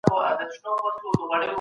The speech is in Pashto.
توبه انسان له ګناهونو پاکوي.